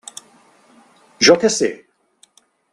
Jo què sé!